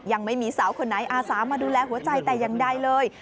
ยังไม่มีสาวคนไหนอาสามาดูแลหัวใจแต่อย่างใดเลย